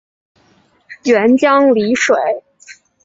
沅江澧水